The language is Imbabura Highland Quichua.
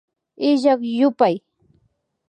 Illak yupay